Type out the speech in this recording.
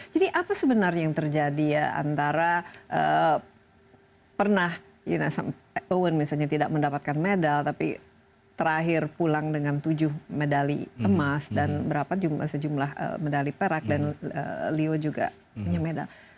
jadi apa sebenarnya yang terjadi ya antara pernah owen misalnya tidak mendapatkan medal tapi terakhir pulang dengan tujuh medali emas dan sejumlah medali perak dan leo juga punya medal